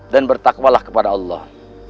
dan bertafaluk kepada allah